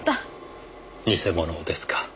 偽物ですか。